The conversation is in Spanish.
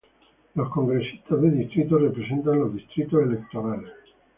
Los congresistas de distrito representan los distritos electorales.